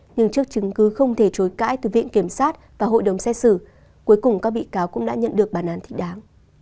nhưng trước chứng cứ không thể trối cãi từ viện kiểm soát và hội đồng xét xử cuối cùng các bị cáo cũng đã nhận được bàn án thị đáng